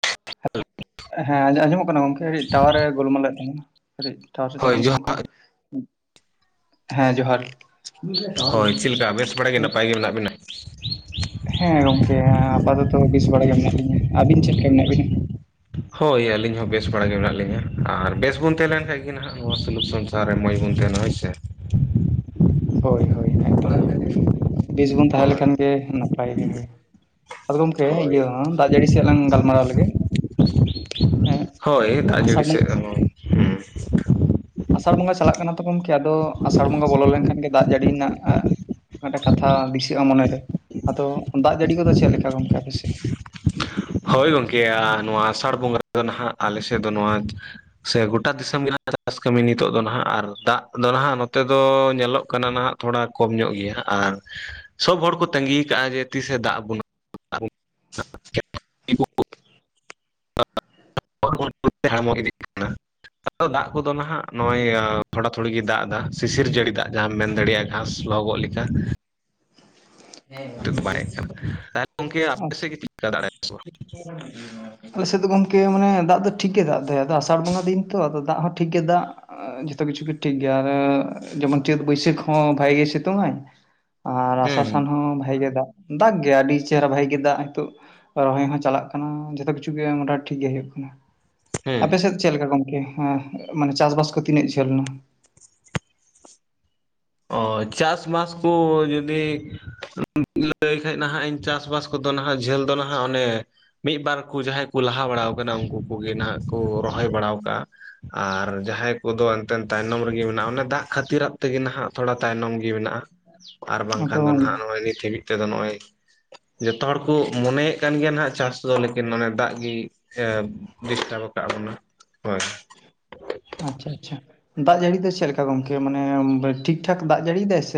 [inaudible] ᱦᱮᱸ ᱟᱡᱚ-ᱟᱸᱡᱚᱢᱚᱜ ᱠᱟᱱᱟ ᱜᱚᱝᱠᱮ? ᱠᱟᱹᱴᱤᱡ ᱴᱟᱣᱟᱨ ᱮ ᱜᱟᱞᱢᱟᱞ ᱞᱮᱫ ᱛᱟᱦᱮᱸᱱᱟ, ᱠᱟᱹᱴᱤᱡ ᱴᱟᱣᱟᱨ ᱥᱮᱫ ᱪᱟᱞᱟᱜ ᱢᱮ ᱦᱳᱭ ᱥᱮ ᱜᱚᱝᱠᱮ᱾ ᱡᱚᱦᱟᱨ ᱦᱮᱸ ᱡᱚᱦᱟᱨ ᱾ ᱦᱳᱭ ᱪᱮᱫ ᱞᱮᱠᱟ ᱵᱮᱥ ᱵᱟᱲᱟ ᱜᱮ ᱱᱟᱯᱟᱭ ᱜᱮ ᱢᱮᱱᱟᱜ ᱵᱤᱱᱟ? ᱦᱮᱸ ᱜᱚᱝᱠᱮ ᱟᱯᱟᱛᱚᱛᱚ ᱵᱮᱥ ᱵᱟᱲᱟ ᱜᱮ ᱢᱮᱱᱟᱜ ᱞᱤᱧᱟ ᱾ ᱟᱵᱤᱱ ᱪᱮᱫ ᱞᱮᱠᱟ ᱢᱮᱱᱟᱜ ᱵᱤᱱᱟ? ᱦᱳᱭ ᱟᱹᱞᱤᱧ ᱦᱚᱸ ᱵᱮᱥ ᱵᱟᱲᱟ ᱜᱮ ᱢᱮᱱᱟᱜ ᱞᱤᱧᱟᱹ ᱟᱨ ᱵᱮᱥ ᱵᱚᱱ ᱛᱟᱦᱮᱸ ᱞᱮᱱ ᱠᱷᱟᱱ ᱜᱮ ᱱᱟᱦᱟᱸᱜ ᱱᱚᱣᱟ ᱥᱩᱞᱩᱠ ᱥᱚᱝᱥᱟᱨ ᱨᱮ ᱢᱚᱸᱡᱽ ᱵᱚᱱ ᱛᱟᱦᱮᱸᱱᱟ ᱦᱮ ᱥᱮ᱾ ᱦᱳᱭ ᱦᱳᱭ ᱮᱠᱫᱚᱢ ᱵᱮᱥ ᱵᱚᱱ ᱛᱟᱦᱮᱸ ᱦᱳᱭ ᱞᱮᱠᱷᱟᱱ ᱜᱮ ᱱᱟᱯᱟᱭ ᱜᱮ ᱦᱳᱭ᱾ ᱟᱫᱚ ᱜᱚᱢᱠᱮ ᱦᱳᱭ ᱤᱭᱟᱹ ᱫᱟᱜ ᱡᱟᱹᱲᱤ ᱥᱮᱜ ᱞᱟᱝ ᱜᱟᱞᱢᱟᱨᱟᱣ ᱞᱮᱜᱮ ᱾ ᱮᱸᱜ ᱦᱳᱭ ᱫᱟᱜ ᱟᱥᱟᱲ ᱡᱟᱹᱲᱤ ᱵᱚᱸᱜ ᱥᱮᱫ ᱦᱚᱸ ᱦᱩᱸ ᱟᱥᱟᱲ ᱵᱚᱸᱜᱟ ᱪᱟᱞᱟᱜ ᱠᱟᱱᱟ ᱛᱚ ᱜᱚᱝᱠᱮ ᱟᱫᱚ ᱟᱥᱟᱲ ᱵᱚᱸᱜᱟ ᱵᱚᱞᱚ ᱞᱮᱱ ᱠᱷᱟᱱ ᱜᱮ ᱫᱟᱜ ᱡᱟᱹᱲᱤ ᱨᱮᱱᱟᱜ ᱢᱤᱫᱴᱟᱜ ᱠᱟᱛᱷᱟ ᱫᱤᱥᱟᱹᱜ-ᱟ ᱢᱚᱱᱮ ᱨᱮ᱾ ᱟᱫᱚ ᱫᱟᱜ ᱡᱟᱹᱲᱤ ᱠᱚᱫᱚ ᱪᱮᱫ ᱞᱮᱠᱟ ᱜᱚᱝᱠᱮ ᱟᱯᱮ ᱥᱮᱫ? ᱦᱳᱭ ᱜᱚᱝᱠᱮ ᱱᱚᱣᱟ ᱟᱥᱟᱲ ᱵᱚᱸᱜᱟ ᱨᱮᱫᱚ ᱱᱟᱦᱟᱜ ᱟᱞᱮ ᱥᱮᱫ ᱫᱚ ᱱᱚᱣᱟ ᱥᱮ ᱜᱚᱴᱟ ᱫᱤᱥᱚᱢ ᱜᱮ ᱱᱟᱦᱟᱜ ᱪᱟᱥ ᱠᱟᱹᱢᱤ ᱱᱤᱛᱳᱜ ᱫᱚ ᱱᱟᱦᱟᱜ ᱟᱨ ᱫᱟᱜ ᱫᱚ ᱱᱟᱦᱟᱜ ᱱᱚᱛᱮ ᱫᱚ ᱧᱮᱞᱚᱜ ᱠᱟᱱᱟ ᱱᱟᱦᱟᱜ ᱛᱷᱳᱲᱟ ᱠᱚᱢ ᱧᱚᱜ ᱜᱮᱭᱟ ᱟᱨ ᱥᱚᱵᱽ ᱦᱚᱲ ᱠᱚ ᱛᱟᱸᱜᱤ ᱠᱟᱜ-ᱟ ᱡᱮ ᱛᱤᱥᱮ ᱫᱟᱜ ᱟᱵᱚᱱᱟ? [unintelligible] [unintelligible] ᱫᱟᱜ ᱠᱚᱫᱚ ᱱᱟᱦᱟᱜ ᱱᱚᱸᱜ-ᱚᱭ ᱛᱷᱳᱲᱟ ᱛᱷᱳᱲᱤ ᱜᱮ ᱫᱟᱜ ᱮᱫᱟ ᱥᱤᱥᱤᱨ ᱡᱟᱹᱲᱤ ᱫᱟᱜ ᱡᱟᱦᱟ ᱟᱢ ᱢᱮᱱ ᱫᱟᱲᱮᱭᱟᱜ-ᱟ ᱾ ᱜᱷᱟᱸᱥ ᱞᱚᱦᱚ ᱜᱚᱜ ᱞᱮᱠᱟ ᱾ ᱫᱚ ᱵᱟᱭ ᱦᱮᱡ ᱠᱟᱱ ᱾ ᱛᱟᱞᱦᱮ ᱜᱚᱝᱠᱮ ᱟᱯᱮ ᱟᱪᱪᱷᱟ ᱥᱮᱫ ᱜᱮ ᱪᱮᱫᱠᱟ ᱫᱟᱜ ᱫᱟᱭ ᱥᱮ ᱵᱟᱝ? ᱟᱞᱮ ᱥᱮᱫ ᱫᱚ ᱜᱚᱝᱠᱮ ᱢᱟᱱᱮ ᱫᱟᱜ ᱫᱚ ᱴᱷᱤᱠ ᱜᱮ ᱫᱟᱜ ᱫᱟᱭ ᱟᱫᱚ ᱟᱥᱟᱲ ᱵᱚᱸᱜᱟ ᱫᱤᱱ ᱛᱚ ᱟᱫᱚ ᱫᱟᱜ ᱦᱚᱸ ᱴᱷᱤᱠ ᱜᱮ ᱫᱟᱜ ᱡᱚᱛᱚ ᱠᱤᱪᱷᱩ ᱜᱮ ᱴᱷᱤᱠ ᱜᱮᱭᱟ ᱟᱨ ᱡᱮᱢᱚᱱ ᱪᱟᱹᱛ ᱵᱟᱹᱭᱥᱟᱹᱠᱷ ᱦᱚᱸ ᱵᱷᱟᱜᱮ ᱜᱮᱭ ᱥᱤᱛᱩᱝ ᱟᱭ ᱾ ᱟᱨ ᱦᱩᱸ ᱟᱥᱟᱲ ᱥᱟᱱ ᱦᱚᱸ ᱵᱷᱟᱜᱮ ᱜᱮ ᱫᱟᱜ ᱫᱟᱜ ᱜᱮᱭᱟᱭ ᱟᱹᱰᱤ ᱪᱮᱦᱨᱟ ᱵᱷᱟᱜᱤ ᱜᱮ ᱫᱟᱜ ᱦᱤᱛᱳᱜ ᱨᱚᱦᱚᱭ ᱦᱚᱸ ᱪᱟᱞᱟᱜ ᱠᱟᱱᱟ ᱾ᱡᱚᱛᱚ ᱠᱤᱪᱷᱩ ᱜᱮ ᱢᱳᱴᱟ ᱴᱷᱤᱠ ᱜᱮ ᱦᱳᱭᱳᱜ ᱠᱟᱱᱟ ᱾ ᱦᱮᱸ᱾ ᱟᱯᱮ ᱥᱮᱫ ᱪᱮᱫ ᱞᱮᱠᱟ ᱜᱚᱝᱠᱮ ᱦᱮᱸ ᱢᱟᱱᱮ ᱪᱟᱥ ᱵᱟᱥ ᱠᱚ ᱛᱤᱱᱟᱹᱜ ᱡᱷᱟᱹᱞ ᱱᱟ? ᱚᱻ ᱪᱟᱥ ᱵᱟᱥ ᱠᱚ ᱡᱩᱸᱫᱤ ᱞᱟᱹᱭ ᱠᱷᱟᱡ ᱱᱟᱦᱟᱜ ᱤᱧ ᱪᱟᱥ ᱵᱟᱥ ᱱᱟᱦᱟᱜ ᱡᱷᱟᱹᱞ ᱫᱚ ᱱᱟᱦᱟᱜ ᱚᱱᱮ ᱢᱤᱫ ᱵᱟᱨ ᱠᱚ ᱡᱟᱦᱟᱭ ᱠᱚ ᱞᱟᱦᱟ ᱵᱟᱲᱟ ᱟᱠᱟᱱᱟ ᱩᱱᱠᱩ ᱠᱚ ᱜᱮ ᱱᱟᱦᱟᱜ ᱠᱚ ᱨᱚᱦᱚᱭ ᱵᱟᱲᱟ ᱠᱟᱜ-ᱟ᱾ ᱟᱨ ᱡᱟᱦᱟᱭ ᱠᱚᱫᱚ ᱮᱱᱛᱮᱫ ᱛᱟᱭᱱᱚᱢ ᱨᱮᱜᱮ ᱢᱮᱱᱟᱜ-ᱟ ᱚᱱᱮ ᱫᱟᱜ ᱠᱷᱟᱹᱛᱤᱨᱟᱜ ᱛᱮᱜᱮ ᱱᱟᱦᱟᱜ ᱛᱷᱚᱲᱟ ᱛᱟᱭᱱᱚᱢ ᱜᱮ ᱢᱮᱱᱟᱜ-ᱟ ᱟᱨ ᱟᱫᱚ ᱵᱟᱝᱠᱷᱟᱱ ᱫᱚ ᱱᱟᱦᱟᱜ ᱱᱚᱸᱜ-ᱚᱭ ᱱᱤᱛ ᱦᱟᱹᱵᱤᱡ ᱛᱮᱫᱚ ᱱᱚᱜ-ᱚᱭ ᱡᱚᱛᱚ ᱦᱚᱲ ᱠᱚ ᱢᱚᱱᱮᱭᱮᱜ ᱠᱟᱱ ᱜᱮᱭᱟ ᱱᱟᱜ ᱪᱟᱥ ᱫᱚ᱾ ᱞᱮᱠᱤᱱ ᱚᱱᱮ ᱫᱟᱜ ᱜᱮ ᱰᱤᱥᱴᱟᱵ ᱟᱠᱟᱜ ᱵᱚᱱᱟ ᱦᱳᱭ᱾ ᱟᱪᱪᱷᱟ, ᱟᱪᱪᱷᱟ ᱫᱟᱜ ᱡᱟᱹᱲᱤ ᱫᱚ ᱪᱮᱫ ᱞᱮᱠᱟ ᱜᱚᱝᱠᱮ ᱢᱟᱱᱮ ᱴᱷᱤᱠ ᱴᱷᱟᱠ ᱫᱟᱜ ᱡᱟᱹᱲᱤᱭ ᱫᱟᱭ ᱥᱮ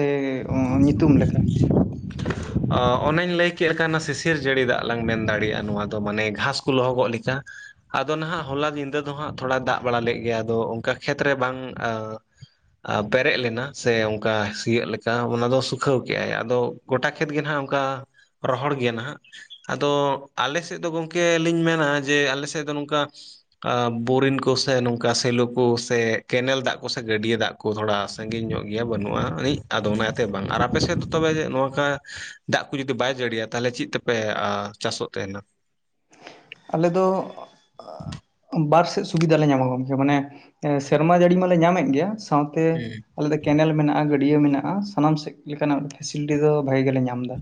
ᱧᱩᱛᱩᱢ ᱞᱮᱠᱟ [inaudible] [inaudible] ᱚᱱᱟᱧ ᱞᱟᱹᱭ ᱠᱮᱫ ᱞᱮᱠᱟ ᱚᱱᱮ ᱥᱤᱥᱤᱨ ᱡᱟᱹᱲᱤ ᱫᱟᱜ ᱞᱟᱝ ᱢᱮᱱ ᱫᱟᱲᱮᱭᱟᱜ-ᱟ ᱱᱚᱣᱟ ᱫᱚ ᱢᱟᱱᱮ ᱜᱷᱟᱸᱥ ᱠᱚ ᱞᱚᱦᱚ ᱜᱚᱜ ᱞᱮᱠᱟ᱾ ᱟᱫᱚ ᱱᱟᱦᱟᱜ ᱦᱚᱞᱟ ᱧᱤᱫᱟᱹ ᱫᱚ ᱦᱟᱸᱜ ᱛᱷᱚᱲᱟ ᱫᱟᱜ ᱵᱟᱲᱟ ᱞᱮᱫ ᱜᱮ ᱟᱫᱚ ᱚᱱᱠᱟ ᱠᱷᱮᱛᱨᱮ ᱵᱟᱝ ᱯᱮᱨᱮᱡ ᱞᱮᱱᱟ ᱥᱮ ᱚᱱᱠᱟ ᱥᱤᱭᱳᱜ ᱞᱮ ᱚᱱᱠᱟ ᱫᱚ ᱥᱩᱠᱷᱟᱹᱣ ᱠᱮᱜᱟᱭ ᱟᱫᱚ ᱜᱚᱴᱟ ᱠᱷᱮᱛ ᱜᱮ ᱱᱟᱦᱟᱜ ᱚᱱᱠᱟ ᱨᱚᱦᱚᱲ ᱜᱮᱭᱟ ᱱᱟᱦᱟᱜ ᱟᱫᱚ ᱟᱞᱮ ᱥᱮᱫ ᱫᱚ ᱜᱚᱝᱠᱮ ᱞᱤᱧ ᱢᱮᱱᱟ ᱡᱮ ᱟᱞᱮ ᱥᱮᱫ ᱫᱚ ᱱᱚᱝᱠᱟ ᱵᱳᱨᱤᱝ ᱠᱚ ᱥᱮ ᱱᱚᱝᱠᱟ ᱥᱮ ᱥᱮᱞᱚ ᱠᱚ ᱥᱮ ᱠᱮᱱᱮᱞ ᱫᱟᱜ ᱠᱚ ᱥᱮ ᱜᱟᱹᱰᱭᱟᱹ ᱫᱟᱜ ᱠᱚ ᱛᱷᱚᱲᱟ ᱥᱟᱹᱜᱤᱧ ᱧᱚᱜ ᱜᱮᱭᱟ ᱵᱟᱹᱱᱩᱜ-ᱟ ᱟᱹᱱᱤᱡ᱾ ᱟᱫᱚ ᱚᱱᱟᱛᱮ ᱵᱟᱝ ᱟᱨ ᱟᱯᱮ ᱥᱮᱫ ᱫᱚ ᱛᱚᱵᱮ ᱱᱚᱠᱟ ᱫᱟᱜ ᱠᱚ ᱡᱩᱫᱤ ᱵᱟᱭ ᱡᱟᱹᱲᱤᱭᱟ ᱛᱟᱦᱞᱮ ᱪᱮᱫ ᱛᱮᱯᱮ ᱪᱟᱥ ᱚᱜ ᱛᱮ ᱱᱟᱜ᱾ ᱟᱞᱮ ᱫᱚ ᱵᱟᱨ ᱥᱮᱫ ᱥᱩᱵᱤᱫᱷᱟ ᱞᱮ ᱧᱟᱢᱟ ᱜᱚᱝᱠᱮ ᱢᱟᱱᱮ ᱥᱮᱨᱢᱟ ᱡᱟᱹᱲᱤ ᱢᱟᱞᱮ ᱧᱟᱢᱮᱫ ᱜᱮᱭᱟ᱾ ᱥᱟᱣ ᱛᱮ ᱦᱮᱸ ᱟᱞᱮ ᱫᱚ ᱠᱮᱱᱮᱞ ᱢᱮᱱᱟᱜ-ᱟ ᱜᱟᱹᱰᱭᱟᱹ ᱢᱮᱱᱟᱜ-ᱟ ᱥᱟᱱᱟᱢ ᱥᱮᱫ ᱞᱮᱠᱟᱱᱟᱜ ᱯᱷᱮᱥᱮᱞᱤᱴᱤ ᱫᱚ ᱵᱷᱟᱜᱮ ᱜᱮᱞᱮ ᱧᱟᱢ ᱫᱟ᱾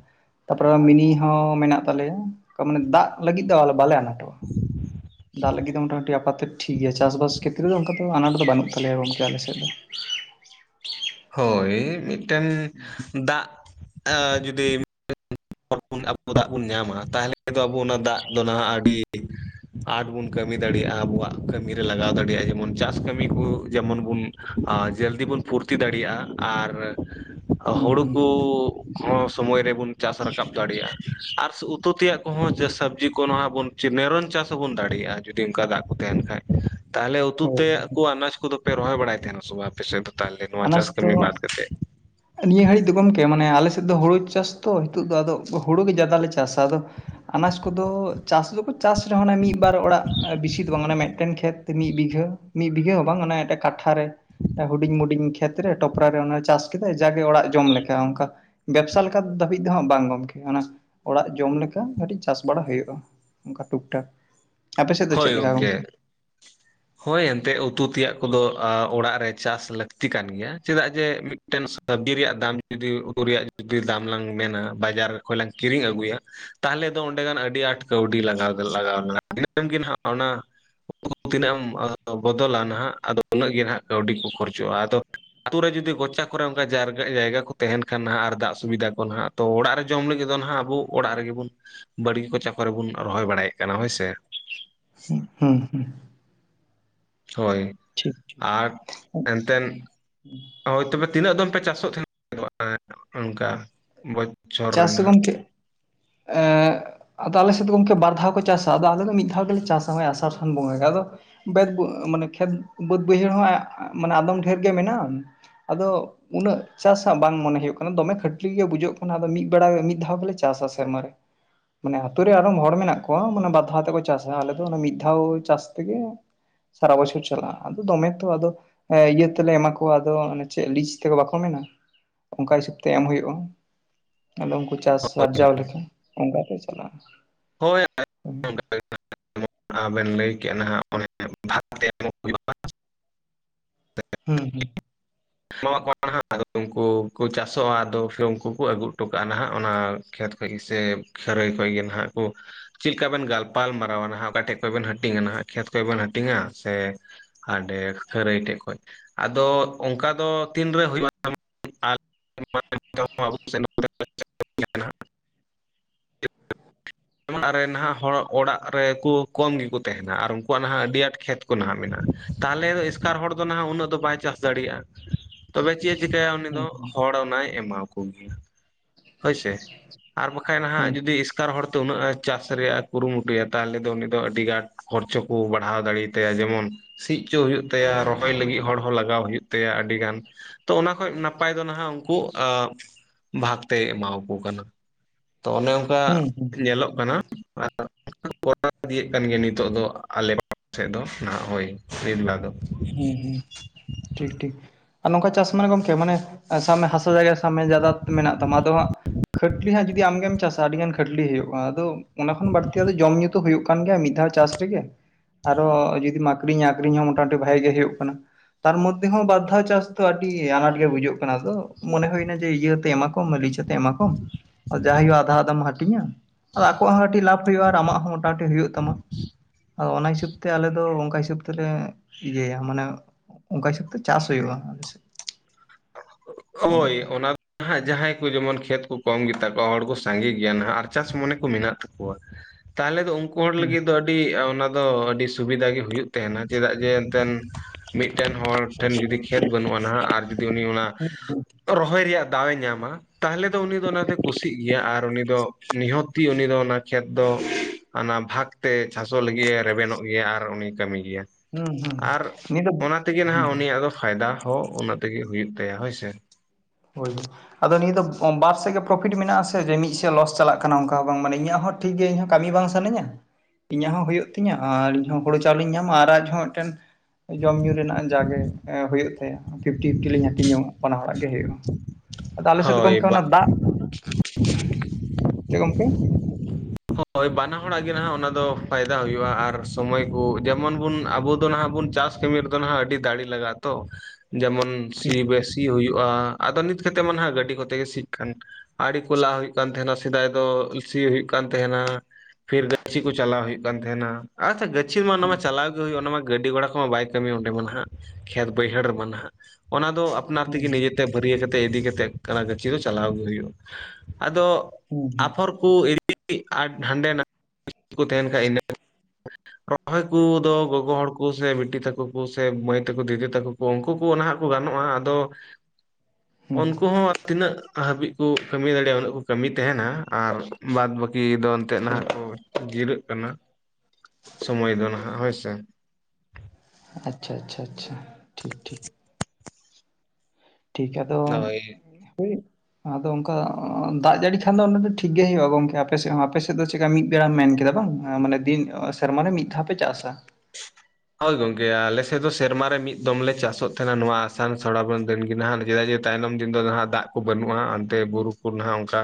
ᱛᱟᱯᱚᱨᱮ ᱢᱤᱱᱤ ᱦᱚᱸ ᱢᱮᱱᱟᱜ ᱛᱟᱞᱮᱭᱟ ᱛᱟᱢᱟᱱᱮ ᱫᱟᱜ ᱞᱟᱹᱜᱤᱫ ᱫᱚ ᱵᱟᱞᱮ ᱟᱱᱟᱴᱚᱜ-ᱟ᱾ [inaudible] ᱫᱟᱜ ᱞᱟᱹᱜᱤᱫ ᱫᱚ ᱢᱚᱴᱟ ᱢᱩᱴᱤ ᱟᱯᱟᱛᱮᱫ ᱴᱷᱤᱠ ᱜᱮᱭᱟ ᱪᱟᱥ ᱵᱟᱥ ᱠᱷᱮᱛᱨᱮ ᱨᱮ ᱫᱚ ᱚᱱᱠᱟ ᱫᱚ ᱟᱱᱟᱴ ᱫᱚ ᱵᱟᱹᱱᱩᱜ ᱛᱟᱞᱮᱭᱟ ᱜᱚᱝᱠᱮ ᱟᱞᱮ ᱥᱮᱫ ᱫᱚ᱾ ᱦᱳᱭ ᱢᱤᱫ ᱴᱮᱱ ᱫᱟᱜ ᱡᱩᱫᱤ ᱟᱵᱚ ᱫᱟᱜ ᱵᱚᱱ ᱧᱟᱢᱟ ᱛᱟᱦᱞᱮ ᱫᱚ ᱟᱵᱚ ᱚᱱᱟ ᱫᱟᱜ ᱫᱚ ᱱᱟᱦᱟᱜ ᱟᱹᱰᱤ ᱟᱴ ᱵᱩᱱ ᱠᱟᱹᱢᱤ ᱫᱟᱲᱮᱭᱟᱜ-ᱟ ᱟᱵᱩᱣᱟᱜ ᱠᱟᱹᱢᱤᱨᱮ ᱞᱟᱜᱟᱣ ᱫᱟᱲᱮᱭᱟᱜ-ᱟ ᱡᱮᱢᱚᱱ ᱪᱟᱥ ᱠᱟᱹᱢᱤ ᱠᱩ ᱡᱮᱢᱚᱱ ᱵᱩᱱ ᱟᱨ ᱡᱟᱞᱫᱤ ᱵᱚᱱ ᱯᱷᱩᱨᱛᱤ ᱫᱟᱲᱮᱭᱟᱜ-ᱟ ᱟᱨᱻ ᱦᱩᱸ ᱦᱳᱲᱳ ᱦᱩᱸ ᱠᱳ ᱦᱚᱸ ᱥᱚᱢᱚᱭ ᱨᱮᱵᱚᱱᱼ ᱪᱟᱥ ᱨᱟᱠᱟᱵ ᱫᱟᱲᱮᱭᱟᱜ-ᱟ, ᱟᱨ ᱩᱛᱩ ᱛᱮᱭᱟᱜ ᱠᱚᱦᱚᱸ ᱡᱟᱹ ᱥᱚᱵᱽᱡᱤ ᱠᱚ ᱱᱟᱦᱟᱜ ᱵᱚᱱᱼᱼ ᱥᱤᱢ ᱢᱮᱨᱚᱱ ᱪᱟᱥ ᱦᱚᱸᱵᱚᱱ ᱫᱟᱲᱮᱭᱟᱜ-ᱟ, ᱡᱩᱫᱤ ᱚᱱᱠᱟ ᱫᱟᱜ ᱠᱚ ᱛᱟᱦᱮᱱ ᱠᱷᱟᱡ ᱛᱟᱦᱚᱞᱮ ᱩᱛᱩ ᱦᱳᱭ ᱛᱮᱭᱟᱜ ᱠᱚ ᱟᱱᱟᱡ ᱠᱚᱫᱚ ᱯᱮ ᱨᱚᱦᱚᱭ ᱵᱟᱲᱟᱭ ᱛᱟᱦᱮᱱᱟ ᱥᱚᱵ ᱟᱯᱮ ᱥᱮ ᱫᱚ ᱛᱟᱦᱚᱞᱮ ᱱᱚᱣᱟ ᱟᱱᱟᱡ ᱪᱟᱥ ᱫᱚ ᱠᱟᱹᱢᱤ ᱵᱟᱫ ᱠᱟᱛᱮᱜ? ᱱᱤᱭᱟᱹ ᱜᱷᱟᱹᱲᱤᱡ ᱫᱚ ᱜᱚᱢᱠᱮ ᱢᱟᱱᱮ, ᱟᱞᱮ ᱥᱮᱫ ᱫᱚ ᱦᱩᱲᱩ ᱪᱟᱥ ᱛᱚ ᱱᱤᱛᱚᱜ ᱫᱚ ᱟᱫᱚ ᱦᱩᱲᱩ ᱜᱮ ᱡᱟᱫᱟ ᱞᱮ ᱪᱟᱥᱟ ᱟᱫᱚ᱾ ᱟᱱᱟᱡ ᱠᱚᱫᱚᱻ ᱪᱟᱥ ᱫᱚᱠᱚ ᱪᱟᱥ ᱨᱮᱦᱚᱸ ᱢᱤᱫᱵᱟᱨ ᱚᱲᱟᱜ ᱵᱮᱥᱤ ᱫᱚ ᱵᱟᱝ ᱢᱤᱫᱴᱮᱱ ᱠᱷᱮᱛ᱾ ᱢᱤᱫ ᱵᱤᱜᱷᱟᱹ, ᱢᱤᱫ ᱵᱤᱜᱷᱟᱹ ᱦᱚᱸ ᱵᱟᱝ ᱚᱱᱟ ᱠᱟᱴᱷᱟ ᱨᱮ ᱡᱟᱦᱟᱸ ᱦᱩᱰᱤᱧ ᱦᱩᱰᱤᱧ ᱠᱷᱮᱛᱨᱮ ᱴᱚᱯᱨᱟ ᱨᱮ ᱚᱱᱟ ᱪᱟᱥ ᱠᱮᱫᱟᱭ ᱡᱟᱜᱮ ᱚᱲᱟᱜ ᱡᱚᱢ ᱞᱮᱠᱟ᱾ ᱚᱱᱠᱟ ᱵᱮᱵᱽᱥᱟ ᱞᱮᱠᱟ ᱫᱷᱟᱹᱵᱤᱡ ᱫᱚᱦᱟᱸᱜ ᱵᱟᱝ ᱜᱚᱢᱠᱮ, ᱚᱱᱟ ᱚᱲᱟᱜ ᱡᱚᱢ ᱞᱮᱠᱟ ᱠᱟᱹᱴᱤᱡ ᱪᱟᱥ ᱵᱟᱲᱟ ᱦᱩᱭᱩᱜ-ᱟ᱾ ᱚᱱᱠᱟ ᱴᱩᱠᱴᱟᱠ᱾ ᱦᱳᱭ ᱜᱚᱢᱠᱮ᱾ [inaudible] ᱦᱳᱭ ᱮᱱᱛᱜ ᱩᱛᱩ ᱛᱮᱭᱟᱜ ᱠᱚᱫᱚ ᱟ ᱚᱲᱟᱜ ᱨᱮ ᱪᱟᱥ ᱞᱟᱹᱠᱛᱤ ᱠᱟᱱ ᱜᱮᱭᱟ᱾ ᱪᱮᱫᱟᱜ ᱡᱮ ᱢᱤᱫᱴᱮᱱ ᱥᱚᱵᱽᱡᱤ ᱨᱮᱭᱟᱜ ᱫᱟᱢ ᱡᱩᱫᱤ ᱩᱛᱩ ᱨᱮᱭᱟᱜ ᱡᱩᱫᱤ ᱫᱟᱢ ᱞᱟᱝ ᱢᱮᱱᱟ ᱵᱟᱡᱟᱨ ᱠᱷᱚᱱ ᱞᱟᱝ ᱠᱤᱨᱤᱧ ᱟᱹᱜᱩᱭᱟ ᱛᱟᱦᱚᱞᱮ ᱫᱚ ᱚᱸᱰᱮ ᱜᱟᱱ ᱟᱹᱰᱤ ᱟᱸᱴ ᱠᱟᱹᱣᱰᱤ ᱞᱟᱜᱟᱣ ᱜᱮ ᱞᱟᱜᱟᱣ ᱞᱮᱱᱟ ᱫᱤᱱᱟᱹᱢ ᱜᱮ ᱱᱟᱦᱜ ᱚᱱᱟ ᱛᱤᱱᱟᱹ [inaudible] ᱜ ᱮᱢ ᱵᱚᱫᱚᱞᱟ ᱱᱟᱦᱟᱜ ᱟᱫᱚ ᱩᱱᱟᱹᱜ ᱜᱮ ᱱᱟᱜ ᱠᱟᱹᱣᱰᱤ ᱠᱚ ᱠᱷᱚᱨᱚᱪᱚᱜᱼᱟ ᱟᱫᱚ ᱟᱛᱳ ᱨᱮ ᱡᱩᱫᱤ ᱜᱚᱪᱟ ᱠᱚᱨᱮ ᱚᱱᱠᱟ ᱡᱟᱨᱜᱟ ᱠᱟᱭᱜᱟ ᱠᱚ ᱛᱮᱦᱮᱱ ᱠᱷᱟᱱ ᱱᱟᱦᱟᱜ ᱟᱨ ᱫᱟᱜ ᱥᱩᱵᱤᱫᱷᱟ ᱠᱚ ᱱᱟᱦᱟᱜ ᱛᱚ ᱚᱲᱟᱜ ᱨᱮ ᱡᱚᱢ ᱞᱟᱹᱜᱤᱫ ᱫᱚ ᱱᱟᱦᱟᱜ ᱟᱵᱚ ᱚᱲᱟᱜ ᱨᱮᱜᱮ ᱵᱚᱱ ᱵᱟᱲᱜᱮ ᱠᱚᱪᱟ ᱠᱚᱨᱮᱵᱚᱱ ᱨᱚᱦᱚᱭ ᱵᱟᱲᱟᱭᱮᱫ ᱠᱟᱱᱟ ᱦᱳᱭᱥᱮ᱾ ᱦᱩᱸ ᱦᱩᱸ᱾ ᱦᱳᱭ ᱴᱷᱤᱠ ᱴᱷᱤᱠ ᱟᱨ ᱮᱱᱛᱮᱱ ᱦᱳᱭ ᱛᱚᱵᱮ ᱛᱤᱱᱟᱹᱜ ᱫᱚᱢ ᱯᱮ ᱪᱟᱥ ᱚᱜ ᱛᱟᱦᱮᱱᱟ ᱚᱱᱠᱟ [unintelligible] ᱪᱟᱥ ᱱᱟᱦᱟᱜ ᱜᱚᱝᱠᱮ ᱮᱸ-ᱜ? ᱟᱫᱚ ᱟᱞᱮ ᱥᱮᱫ ᱫᱚ ᱜᱚᱝᱠᱮ ᱵᱟᱨ ᱫᱷᱟᱣ ᱠᱚ ᱪᱟᱥᱼᱟ, ᱟᱫᱚ ᱟᱞᱮ ᱫᱚ ᱢᱤᱫ ᱫᱷᱟᱣ ᱜᱮᱞᱮ ᱪᱟᱥᱼᱟ ᱦᱚᱸᱜᱼᱚᱭ ᱟᱥᱟᱲ ᱥᱟᱱ ᱵᱚᱸᱜᱟ ᱜᱮ ᱟᱫᱚᱼᱼ ᱵᱮᱫᱽ ᱢᱟᱱᱮ ᱠᱷᱮᱛ ᱵᱟᱹᱫᱽ ᱵᱟᱹᱭᱦᱟᱹᱲ ᱦᱚᱸ ᱢᱟᱱᱮ ᱟᱫᱚᱢ ᱰᱷᱮᱨ ᱜᱮ ᱢᱮᱱᱟᱜᱼᱟ᱾ ᱟᱫᱚ ᱩᱱᱟᱹᱜ ᱪᱟᱥ ᱦᱟᱸᱜ ᱵᱟᱝ ᱢᱚᱱᱮ ᱦᱳᱭᱳᱜ ᱠᱟᱱᱟ ᱫᱚᱢᱮ ᱠᱷᱟᱹᱴᱞᱤ ᱜᱮ ᱵᱩᱸᱡᱚᱜᱼᱼ ᱚᱱᱟ ᱫᱚ ᱢᱤᱫ ᱵᱮᱲᱟ ᱢᱤᱫ ᱫᱷᱟᱣ ᱜᱮᱞᱮ ᱪᱟᱥ-ᱟ ᱥᱮᱨᱢᱟ ᱨᱮ᱾ ᱢᱟᱱᱮ ᱟᱹᱛᱳ ᱨᱮ ᱟᱫᱚᱢ ᱦᱚᱲ ᱢᱮᱱᱟᱜ ᱠᱚᱣᱟ ᱢᱟᱱᱮ ᱵᱟᱨ ᱫᱷᱟᱣ ᱛᱮᱠᱚ ᱪᱟᱥ-ᱟ, ᱟᱞᱮ ᱫᱚ ᱢᱤᱫ ᱫᱷᱟᱣ ᱪᱟᱥ ᱛᱮᱜᱮ ᱥᱟᱨᱟ ᱵᱚᱪᱷᱚᱨ ᱪᱟᱞᱟᱜ-ᱟ ᱟᱫᱚ ᱫᱚᱢᱮ ᱛᱚ ᱟᱫᱚᱼᱼ ᱮ ᱤᱭᱟᱹ ᱛᱮᱞᱮ ᱮᱢᱟ ᱠᱚᱣᱟ ᱟᱫᱚ ᱚᱱᱮ ᱪᱮᱫ ᱞᱤᱡᱽ ᱛᱮᱠᱚ ᱵᱟᱠᱚ ᱢᱮᱱᱟ ᱚᱱᱠᱟ ᱦᱤᱥᱟᱹᱵ ᱛᱮ ᱮᱢ ᱦᱩᱭᱩᱜᱼᱟ᱾ ᱟᱫᱚ ᱩᱱᱠᱩ ᱪᱟᱥ ᱦᱳᱭ ᱟᱨᱡᱟᱣ ᱞᱮᱠᱟ ᱚᱱᱠᱟ ᱛᱮ ᱪᱟᱞᱟᱜ-ᱟ᱾ ᱦᱳᱭ [unintelligible] [unintelligible] ᱟᱵᱮᱱ ᱞᱟᱹᱭ ᱠᱮᱜᱼᱟ ᱚᱱᱮ ᱦᱟᱸᱜ ᱵᱷᱟᱜ ᱛᱮ ᱮᱢᱚᱜ ᱦᱳᱭᱳᱜᱼᱟ ᱦᱩᱸ ᱦᱩᱸ᱾ [inaudible] ᱩᱱᱠᱩ ᱠᱚ ᱪᱟᱥᱚᱜ-ᱟ ᱟᱫᱚ ᱩᱱᱠᱩ ᱠᱚ ᱟᱹᱜᱩ ᱦᱚᱴᱚ ᱠᱟᱜ-ᱟ ᱱᱟᱦᱟᱜ ᱚᱱᱟ, ᱠᱷᱮᱛ ᱠᱷᱚᱡ ᱜᱮ ᱥᱮ ᱠᱷᱟᱹᱨᱟᱹᱭ ᱠᱷᱚᱡ ᱜᱮ ᱱᱟᱦᱟᱜ ᱠᱚ ᱪᱤᱫ ᱠᱟ ᱵᱮᱱ ᱜᱟᱞᱯᱟᱞ ᱢᱟᱨᱟᱣᱟ ᱵᱟᱛᱟᱣᱟ ᱱᱟᱦᱟᱜ ᱚᱠᱟ ᱴᱷᱮᱡ ᱠᱷᱚᱡ ᱵᱮᱱ ᱦᱟᱹᱴᱤᱧᱝ-ᱟ ᱱᱟᱦᱟᱜ ᱠᱷᱮᱛ ᱠᱷᱚᱱ ᱵᱮᱱ ᱦᱟᱹᱴᱤᱧᱟ? ᱥᱮ ᱦᱟᱸᱰᱮ ᱠᱷᱟᱹᱨᱟᱹᱭ ᱴᱷᱮᱡ ᱠᱷᱚᱡ᱾ ᱟᱫᱚᱻ ᱚᱱᱠᱟ ᱫᱚ ᱛᱤ ᱨᱮ ᱦᱩᱭᱩᱜᱼᱟ [inaudible] [unintelligible] [inaudible] [inaudible] ᱚᱲᱟᱜ ᱨᱮ ᱱᱟᱦᱟᱜ ᱦᱚᱲ ᱚᱲᱟᱜ ᱨᱮ ᱠᱩ ᱠᱚᱢ ᱜᱮᱠᱚ ᱛᱟᱦᱮᱱᱟ ᱟᱨ ᱩᱱᱠᱩᱣᱟᱜ ᱱᱟᱦᱟᱜ ᱟᱹᱰᱤ ᱟᱸᱴ ᱠᱷᱮᱛ ᱠᱚ ᱱᱟᱦᱟᱜ ᱢᱮᱱᱟᱜᱼᱟ᱾ ᱛᱟᱦᱟᱞᱮ ᱮᱥᱠᱟᱨ ᱦᱚᱲ ᱫᱚ ᱱᱟᱦᱟᱜ ᱩᱱᱟᱹᱜ ᱫᱚ ᱵᱟᱭ ᱪᱟᱥ ᱫᱟᱲᱮᱭᱟᱜ-ᱟ ᱛᱚᱵᱮ ᱪᱮᱫ ᱮ ᱪᱤᱠᱟᱹᱭᱟ ᱩᱱᱤ ᱫᱚ ᱦᱩᱸ ᱦᱚᱲ ᱚᱱᱟᱭ ᱮᱢᱟ ᱠᱚ ᱜᱮᱭᱟ᱾ ᱦᱳᱭ ᱥᱮ ᱟᱨ ᱵᱟᱠᱷᱟᱡ ᱱᱟᱦᱟᱜ ᱦᱩᱸ ᱡᱩᱫᱤ ᱾ ᱮᱥᱠᱟᱨ ᱦᱚᱲ ᱛᱚ ᱩᱱᱟᱹᱜ ᱮ ᱪᱟᱥ ᱨᱮᱭᱟᱜ ᱠᱩᱨᱩ ᱢᱩᱴᱩᱭᱟ ᱛᱟᱦᱚᱸᱞᱮ ᱫᱚ ᱩᱱᱤ ᱫᱚ ᱟᱹᱰᱤ ᱟᱴ ᱠᱷᱚᱨᱪᱚ ᱠᱚ ᱵᱟᱲᱦᱟᱣ ᱫᱟᱲᱮ ᱟᱛᱟᱭᱟ ᱡᱮ ᱢᱚᱱ ᱥᱤᱜᱽᱪᱚ ᱦᱩᱭᱩᱜ ᱛᱟᱭᱟ ᱨᱚᱦᱚᱭ ᱞᱟᱹᱜᱤᱫ ᱦᱚᱲ ᱦᱚᱸ ᱞᱟᱜ ᱞᱟᱜᱟᱣ ᱦᱩᱭᱩᱜ ᱛᱟᱭᱟ ᱟᱹᱰᱤ ᱜᱟᱱ, ᱛᱚ ᱚᱱᱟ ᱠᱷᱚᱱ ᱱᱟᱯᱟᱭ ᱫᱚ ᱱᱟᱦᱟᱜ ᱩᱱᱠᱩ ᱟ ᱵᱷᱟᱜᱽ ᱛᱮᱭ ᱮᱢᱟ ᱟᱠᱚ ᱠᱟᱱᱟ, ᱛᱚ ᱚᱱᱮ ᱚᱱᱠᱟ ᱦᱩᱸ ᱦᱩᱸ ᱦᱩᱸ ᱧᱮᱞᱚᱜ ᱠᱟᱱᱟ᱾ [unintelligible] ᱠᱚᱨᱟᱣ ᱤᱫᱤᱭᱮᱜ ᱠᱟᱱ ᱜᱮᱭᱟ ᱱᱤᱛᱚᱜ ᱫᱚ ᱟᱞᱮ [unintelligible] ᱥᱮᱫ ᱫᱚ ᱱᱟᱦᱟᱜ ᱦᱳᱭ [unintelligible] ᱫᱚ ᱦᱮᱸ ᱦᱮᱸ ᱴᱷᱤᱠ ᱴᱷᱤᱠ᱾ ᱟᱨ ᱱᱚᱝᱠᱟ ᱪᱟᱥ ᱢᱟᱱᱮ ᱜᱚᱝᱠᱮ ᱢᱟᱱᱮ ᱥᱟᱵᱽ ᱢᱮ ᱦᱟᱥᱟ ᱡᱟᱭᱜᱟ ᱥᱟᱵᱽ ᱢᱮ ᱡᱟᱫᱟ ᱢᱮᱱᱟᱜ ᱛᱟᱢᱟ ᱟᱫᱚ ᱦᱟᱸᱜ᱾ ᱠᱷᱟᱹᱴᱞᱤ ᱦᱟᱸᱜ ᱡᱩᱫᱤ ᱟᱢ ᱜᱮᱢ ᱪᱟᱥᱟ ᱟᱹᱰᱤ ᱜᱟᱱ ᱠᱷᱟᱹᱴᱞᱤ ᱦᱩᱭᱩᱜ-ᱟ ᱟᱫᱚ ᱚᱱᱟ ᱠᱷᱚᱱ ᱵᱟᱹᱲᱛᱤ ᱟᱫᱚ ᱡᱚᱢ ᱧᱩ ᱫᱚ ᱦᱳᱭᱳᱜ ᱠᱟᱱ ᱜᱮᱭᱟ ᱢᱤᱫ ᱫᱷᱟᱣ ᱪᱟᱥ ᱨᱮᱜᱮ ᱟᱨᱦᱚᱸ ᱡᱩᱫᱤᱢ ᱟᱹᱠᱷᱨᱤᱧᱟ ᱟᱹᱠᱷᱨᱤᱧ ᱦᱚᱸ ᱢᱚᱴᱟ ᱢᱩᱴᱤ ᱵᱷᱟᱜᱮ ᱜᱮ ᱦᱩᱭᱩᱜ ᱠᱟᱱᱟ᱾ ᱛᱟᱨ ᱢᱚᱫᱽᱫᱷᱮ ᱦᱚᱸ ᱵᱟᱨ ᱫᱷᱟᱣ ᱪᱟᱥ ᱫᱚ ᱟᱹᱰᱤ ᱟᱱᱟᱴ ᱜᱮ ᱵᱩᱡᱟᱹᱜ ᱠᱟᱱᱟ ᱟᱫᱚ ᱢᱚᱱᱮ ᱦᱩᱭ ᱱᱟ ᱡᱮ ᱤᱭᱟᱹ ᱛᱮ ᱮᱢᱟ ᱠᱚ᱾ ᱞᱤᱪ ᱟᱛᱮ ᱮᱢᱟ ᱠᱚᱢ, ᱡᱟ ᱦᱳᱭᱳᱜ-ᱟ ᱟᱫᱷᱟ ᱟᱫᱷᱟᱢ ᱦᱟᱹᱴᱤᱧᱟ᱾ ᱟᱫᱚ ᱟᱠᱚᱣᱟᱜ ᱦᱚᱸ ᱠᱟᱹᱴᱤᱡ ᱞᱟᱵᱷᱚ ᱦᱳᱭᱳᱜ-ᱟ ᱟᱨ ᱟᱢᱟᱜ ᱦᱚᱸ ᱢᱚᱴᱟ ᱢᱩᱴᱤ ᱦᱩᱭᱩᱜ ᱛᱟᱢᱟ ᱟᱫᱚ ᱚᱱᱟ ᱦᱤᱥᱟᱹᱵᱽ ᱛᱮ᱾ ᱟᱞᱮ ᱫᱚ ᱚᱱᱠᱟ ᱦᱤᱥᱟᱹᱵᱽ ᱛᱮ ᱞᱮ᱾ ᱤᱭᱟᱹᱭᱟ ᱢᱟᱱᱮ, ᱚᱱᱠᱟ ᱦᱤᱥᱟᱹᱵᱽ ᱛᱮ ᱪᱟᱥ ᱦᱳᱭᱳᱜ-ᱟ ᱟᱞᱮ ᱥᱮᱫ᱾ ᱦᱳᱭ ᱚᱱᱠᱟ ᱚᱱᱟ ᱦᱟᱸᱜ ᱡᱟᱦᱟᱸᱭ ᱠᱚ ᱡᱮᱢᱚᱱ ᱠᱷᱮᱛ ᱠᱚ ᱠᱚᱢ ᱜᱮᱛᱟ ᱠᱚᱣᱟ ᱦᱚᱲ ᱠᱚ ᱥᱟᱸᱜᱮ ᱜᱮᱭᱟ ᱱᱟᱦᱟᱸᱜ ᱟᱨ ᱪᱟᱥ ᱢᱚᱱᱮ ᱠᱚ ᱢᱮᱱᱟᱜ ᱛᱟᱠᱚᱣᱟ᱾ ᱛᱟᱦᱚᱸᱞᱮ ᱫᱚ ᱩᱱᱠᱩ᱾ ᱩᱱᱠᱩ ᱦᱚᱲ ᱞᱟᱹᱜᱤᱫ ᱫᱚ ᱟᱹᱰᱤ ᱚᱱᱟ ᱫᱚ ᱟᱹᱰᱤ ᱥᱩᱵᱤᱫᱷᱟ ᱜᱮ ᱦᱩᱭᱩᱜ ᱛᱟᱦᱮᱸᱱᱟ ᱪᱮᱫᱟᱜ ᱡᱮ ᱮᱱᱛᱮᱱ᱾ ᱢᱤᱫ ᱴᱮᱱ ᱦᱚᱲ ᱴᱷᱮᱱ ᱡᱩᱫᱤ ᱠᱷᱮᱛ ᱵᱟᱹᱱᱩᱜ-ᱟ ᱱᱟᱦᱟᱸᱜ ᱟᱨ ᱡᱩᱫᱤ ᱩᱱᱤ ᱚᱱᱟ᱾ ᱨᱚᱦᱚᱭ ᱨᱮᱭᱟᱜ ᱫᱟᱣᱮ ᱧᱟᱢᱟ ᱛᱟᱦᱚᱸᱞᱮ ᱫᱚ ᱩᱱᱤ ᱫᱚ ᱚᱱᱟ ᱛᱮ ᱠᱩᱥᱤᱜ ᱜᱮᱭᱟ ᱟᱨ ᱩᱱᱤ ᱫᱚ ᱱᱤᱦᱚᱛ ᱡᱤᱫᱤ ᱩᱱᱤ ᱫᱚ ᱚᱱᱟ ᱠᱷᱮᱛ ᱫᱚ ᱚᱱᱟ ᱵᱷᱟᱜᱽ ᱛᱮ᱾ ᱪᱟᱥᱚᱜ ᱞᱟᱹᱜᱤᱫ ᱮ ᱨᱮᱵᱮᱱᱚᱜ ᱜᱮᱭᱟ ᱟᱨ ᱩᱱᱤ ᱠᱟᱹᱢᱤ ᱜᱮᱭᱟ᱾ ᱦᱩᱸ ᱦᱩᱸ ᱟᱨ ᱱᱤᱭᱟᱹ ᱫᱚ ᱚᱱᱟ ᱛᱮᱜᱮ ᱦᱩᱸ ᱱᱟᱦᱟᱸᱜ ᱩᱱᱤᱭᱟᱜ ᱫᱚ ᱯᱷᱟᱭᱫᱟ ᱦᱚᱸ ᱚᱱᱟ ᱛᱮᱜᱮ ᱦᱩᱭᱩᱜ ᱛᱟᱭᱟ ᱦᱳᱭ ᱥᱮ᱾ ᱦᱳᱭ ᱟᱫᱚ ᱱᱤᱭᱟᱹ ᱫᱚ ᱵᱟᱨ ᱥᱮᱫ ᱜᱮ ᱯᱨᱚᱯᱷᱤᱴ ᱢᱮᱱᱟᱜ-ᱟ ᱥᱮ, ᱡᱮ ᱢᱤᱫ ᱥᱮᱫ ᱞᱚᱥ ᱪᱟᱞᱟᱜ ᱠᱟᱱᱟ ᱚᱱᱠᱟ ᱵᱟᱝ, ᱢᱟᱱᱮ ᱤᱧᱟᱹᱜ ᱦᱚᱸ ᱴᱷᱤᱠ ᱜᱮᱭᱟ ᱤᱧᱦᱚᱸ ᱠᱟᱹᱢᱤ ᱵᱟᱝ ᱥᱟᱱᱟᱧᱟ। ᱤᱧᱟᱹᱜ ᱦᱚᱸ ᱦᱩᱭᱩᱜ ᱛᱤᱧᱟ, ᱟᱨ ᱤᱧ ᱦᱚᱸ ᱦᱳᱲᱩ ᱪᱟᱣᱞᱮᱧ ᱧᱟᱢᱟ, ᱟᱨ ᱟᱡ ᱦᱚᱸ ᱢᱤᱫᱴᱮᱱ ᱡᱚᱢ ᱧᱩ ᱨᱮᱱᱟᱜ ᱡᱟᱜᱮ ᱦᱩᱭᱩᱜ ᱛᱟᱭᱟ, ᱯᱷᱤᱯᱴᱤ ᱯᱷᱤᱯᱴᱤ ᱞᱤᱧ ᱦᱟᱹᱴᱤᱧ ᱡᱚᱝᱟᱜ-ᱟ, ᱵᱟᱱᱟ ᱦᱚᱲᱟᱜ ᱜᱮ ᱦᱩᱭᱩᱜ-ᱟ᱾ ᱟᱫᱚ ᱟᱞᱮ ᱥᱮᱫ ᱫᱚ ᱦᱳᱭ ᱜᱚᱝᱠᱮ ᱵᱟ ᱚᱱᱟ ᱫᱟᱜ, ᱪᱮᱫ ᱜᱚᱢᱠᱮ? ᱦᱳᱭ ᱵᱟᱱᱟ ᱦᱚᱲᱟᱜ ᱜᱮ ᱱᱟᱦᱟᱸᱜ ᱚᱱᱟ ᱫᱚ ᱯᱷᱟᱭᱫᱟ ᱦᱩᱭᱩᱜ-ᱟ, ᱟᱨ ᱥᱚᱢᱚᱭ ᱠᱚ, ᱡᱮᱢᱚᱱ ᱵᱚᱱ ᱟᱵᱚ ᱫᱚ ᱱᱟᱦᱟᱸᱜ ᱵᱚᱱ ᱪᱟᱥ ᱠᱟᱹᱢᱤ ᱨᱮᱫᱚ ᱱᱟᱦᱟᱸᱜ ᱟᱹᱰᱤ ᱫᱟᱲᱮ ᱞᱟᱜᱟᱜ-ᱟ ᱛᱚ᱾ ᱡᱮᱢᱚᱱ ᱥᱤ ᱦᱩᱸ ᱵᱮᱥᱤ ᱦᱩᱭᱩᱜ-ᱟ, ᱟᱫᱚ ᱱᱤᱛ ᱠᱟᱛᱮᱫ ᱢᱟ ᱱᱟᱦᱟᱸᱜ ᱜᱟᱹᱰᱤ ᱠᱚᱛᱮ ᱜᱮ ᱥᱤᱜ ᱠᱟᱱ᱾ ᱟᱲᱮ ᱠᱚ ᱞᱟᱜᱽ ᱦᱩᱭᱩᱜ ᱠᱟᱱ ᱛᱟᱦᱮᱸᱱᱟ᱾ ᱥᱮᱫᱟᱭ ᱫᱚ ᱥᱤᱭᱳᱜ ᱠᱟᱱ ᱛᱟᱦᱮᱸᱱᱟ, ᱯᱷᱤᱨ ᱜᱟᱹᱪᱷᱤ ᱠᱚ ᱪᱟᱞᱟᱣ ᱦᱩᱭᱩᱜ ᱠᱟᱱ ᱛᱟᱦᱮᱸᱱᱟ᱾ ᱟᱪᱪᱷᱟ ᱜᱟᱹᱪᱷᱤ ᱢᱟ ᱚᱱᱟ ᱢᱟ ᱪᱟᱞᱟᱣ ᱦᱩᱭᱩᱜ-ᱟ, ᱚᱱᱟ ᱢᱟ ᱜᱟᱹᱰᱤ ᱜᱷᱚᱲᱟ ᱠᱚᱢᱟ ᱵᱟᱭ ᱠᱟᱹᱢᱤ ᱚᱸᱰᱮ ᱢᱟ ᱱᱟᱦᱟᱸᱜ, ᱠᱷᱮᱛ ᱵᱟᱹᱭᱦᱟᱹᱲ ᱨᱮᱢᱟ ᱱᱟᱦᱟᱸᱜ᱾ ᱚᱱᱟ ᱫᱚ ᱟᱯᱱᱟᱨ ᱛᱮᱜᱮ, ᱱᱤᱡᱮ ᱛᱮ ᱵᱷᱟᱹᱨᱭᱟᱹ ᱠᱟᱛᱮ, ᱤᱫᱤ ᱠᱟᱛᱮᱜ ᱚᱱᱟ ᱜᱟᱹᱪᱷᱤ ᱫᱚ ᱪᱟᱞᱟᱣ ᱜᱮ ᱦᱩᱭᱩᱜ-ᱟ᱾ ᱟᱫᱚ ᱦᱩᱸ ᱟᱯᱷᱚᱨ ᱠᱚ ᱤᱫᱤ ᱟᱨ ᱦᱟᱸᱰᱮ [inaudible] ᱠᱚ ᱛᱟᱦᱮᱱ ᱠᱷᱟᱡ ᱤᱱᱟᱹ ᱨᱚᱦᱚᱭ ᱠᱚ ᱫᱚ ᱜᱚᱜᱚ ᱦᱚᱲ ᱠᱚ ᱥᱮ ᱵᱤᱴᱤ ᱛᱟᱠᱚ ᱠᱚ, ᱥᱮ ᱢᱟᱹᱭ ᱛᱟᱠᱚ ᱫᱤᱫᱤ ᱛᱟᱠᱚ ᱠᱚ, ᱩᱱᱠᱩ ᱠᱚ ᱚᱱᱟ ᱦᱟᱸᱜ ᱠᱚ ᱜᱟᱱᱚᱜ-ᱟ, ᱟᱫᱚ [inaudible] ᱩᱱᱠᱩ ᱦᱚᱸ ᱦᱟᱸᱜ ᱛᱤᱱᱟᱹᱜ ᱦᱟᱹᱵᱤᱡ ᱠᱚ ᱠᱟᱹᱢᱤ ᱫᱟᱲᱮᱭᱟᱜ-ᱟ, ᱩᱱᱟᱹᱜ ᱠᱚ ᱠᱟᱹᱢᱤ ᱛᱟᱦᱮᱱᱟ। ᱟᱨ ᱵᱟᱫ ᱵᱟᱹᱠᱤ ᱫᱚ ᱮᱱᱛᱮᱫ ᱦᱳᱭ ᱱᱟᱦᱟᱜ ᱠᱚ ᱡᱤᱨᱟᱹᱜ ᱠᱟᱱᱟ। ᱥᱚᱢᱚᱭ ᱫᱚ ᱱᱟᱦᱟᱜ ᱦᱳᱭ ᱥᱮ। ᱟᱪᱪᱷᱟ, ᱟᱪᱪᱷᱟ, ᱟᱪᱪᱷᱟ ᱴᱷᱤᱠ, ᱴᱷᱤᱠ। ᱴᱷᱤᱠ ᱟᱫᱚ, ᱦᱳᱭ ᱦᱳᱭ ᱟᱫᱚ ᱚᱱᱠᱟ, ᱫᱟᱜ ᱡᱟᱹᱲᱤ ᱠᱷᱟᱱ ᱫᱚ ᱚᱱᱟ ᱫᱚ ᱴᱷᱤᱠ ᱜᱮ ᱦᱳᱭᱳᱜ-ᱟ। ᱜᱚᱝᱠᱮ ᱟᱯᱮ ᱥᱮᱫ ᱦᱚᱸ ᱟᱯᱮ ᱥᱮᱫ ᱫᱚ ᱪᱮᱠᱟ ᱢᱤᱫ ᱵᱮᱲᱟᱢ ᱢᱮᱱ ᱠᱮᱫᱟ ᱵᱟᱝ? ᱢᱟᱱᱮ ᱫᱤᱱ ᱥᱮᱨᱢᱟ ᱨᱮ ᱢᱤᱫ ᱫᱷᱟᱣ ᱯᱮ ᱪᱟᱥ-ᱟ᱾ ᱦᱳᱭ ᱜᱚᱝᱠᱮ। ᱟᱞᱮ ᱥᱮᱫ ᱫᱚ ᱥᱮᱨᱢᱟ ᱨᱮ ᱢᱤᱫ ᱫᱚᱢ ᱞᱮ ᱪᱟᱥᱚᱜ ᱛᱟᱦᱮᱱᱟ ᱱᱚᱣᱟ ᱟᱥᱟᱱ ᱥᱚᱲᱟ ᱵᱚᱱ ᱫᱤᱱ ᱜᱮ ᱱᱟᱦᱟᱜ ᱪᱮᱫᱟᱜ ᱡᱮ ᱛᱟᱭᱱᱚᱢ ᱫᱤᱱ ᱫᱚ ᱱᱟᱦᱟᱜ, ᱫᱟᱜ ᱠᱚ ᱵᱟᱹᱱᱩᱜ-ᱟ। ᱚᱱᱛᱮ ᱵᱩᱨᱩ ᱠᱚ ᱱᱟᱦᱟᱜ ᱚᱱᱠᱟ